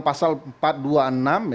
pasal empat ratus dua puluh enam